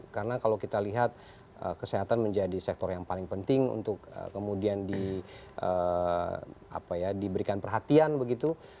karena kalau kita lihat kesehatan menjadi sektor yang paling penting untuk kemudian diberikan perhatian begitu